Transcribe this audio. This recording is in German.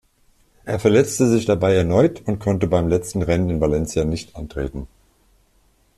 Er verletzte sich dabei erneut und konnte beim letzten Rennen in Valencia nicht antreten.